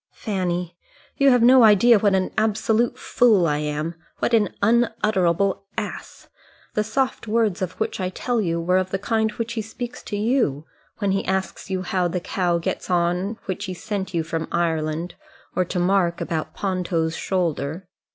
"Fanny, you have no idea what an absolute fool I am, what an unutterable ass. The soft words of which I tell you were of the kind which he speaks to you when he asks you how the cow gets on which he sent you from Ireland, or to Mark about Ponto's shoulder.